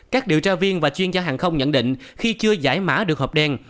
các điều tra viên và chuyên gia hàng không nhận định khi chưa giải mã được hợp đen